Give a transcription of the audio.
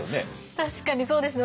確かにそうですね。